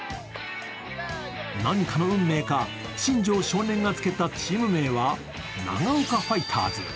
何かの運命か、新庄少年がつけたチーム名は長丘ファイターズ。